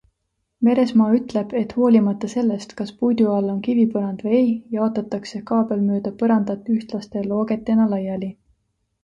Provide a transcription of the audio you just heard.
Meresmaa ütleb, et hoolimata sellest, kas puidu all on kivipõrand või ei, jaotatakse kaabel mööda põrandat ühtlaste loogetena laiali.